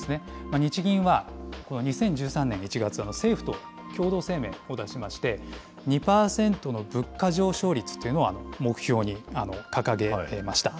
日銀はこの２０１３年１月、政府と共同声明を出しまして、２％の物価上昇率というのを目標に掲げました。